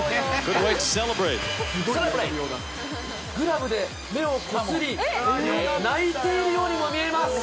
さらにこれ、グラブで目をこすり、泣いているようにも見えます。